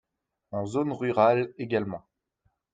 En zone rurale également.